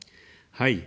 はい。